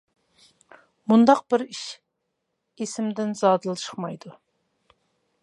مۇنداق بىر ئىش ئېسىمدىن زادىلا چىقمايدۇ.